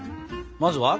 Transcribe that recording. まずは？